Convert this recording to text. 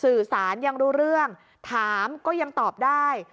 สื่อสารยังรู้เรื่องถามก็ยังตอบได้